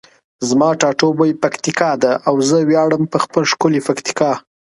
زما ټاټوبی پکتیکا ده او زه ویاړمه په خپله ښکلي پکتیکا.